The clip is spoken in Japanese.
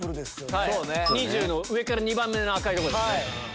上から２番目の赤いとこですね。